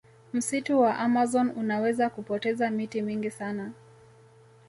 msitu wa amazon unaweza kupoteza miti mingi sana